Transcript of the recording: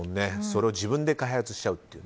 それを自分で開発しちゃうという。